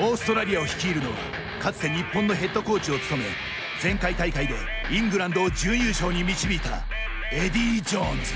オーストラリアを率いるのはかつて日本のヘッドコーチを務め前回大会でイングランドを準優勝に導いたエディー・ジョーンズ。